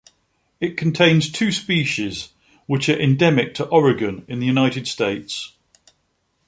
It contains two species, which are endemic to Oregon in the United States.